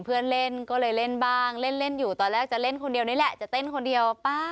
เมื่อกี้นึกว่าพ่อเหนื่อยแล้วเลิกแล้วนะ